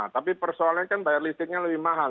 tapi persoalannya kan bayar listriknya lebih mahal